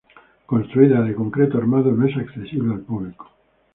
Construida de concreto armado, no es accesible al público.